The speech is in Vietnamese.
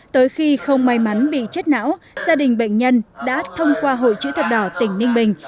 tới khi không may mắn bị chết não gia đình bệnh nhân đã thông qua hội chữ thập đỏ tỉnh ninh bình